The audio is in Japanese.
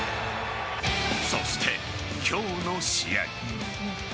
そして、今日の試合。